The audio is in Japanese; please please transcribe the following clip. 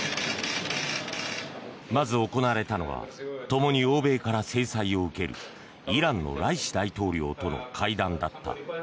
まず行われたのはともに欧米から制裁を受けるイランのライシ大統領との会談だった。